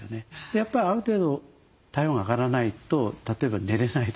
やっぱりある程度体温が上がらないと例えば寝れないですね。